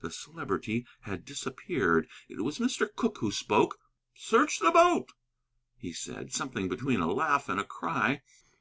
The Celebrity had disappeared! It was Mr. Cooke who spoke. "Search the boat!" he said, something between a laugh and a cry.